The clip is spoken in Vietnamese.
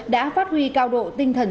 đã phát huy cao độ tinh thần